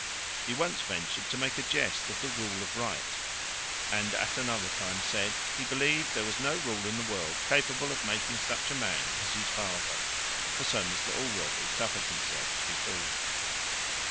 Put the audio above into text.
He once ventured to make a jest of the rule of right; and at another time said, he believed there was no rule in the world capable of making such a man as his father (for so Mr Allworthy suffered himself to be called).